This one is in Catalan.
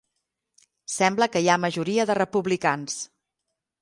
Sembla que hi ha majoria de republicans.